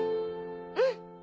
うん！